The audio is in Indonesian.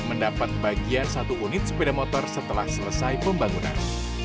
mendapat bagian satu unit sepeda motor setelah selesai pembangunan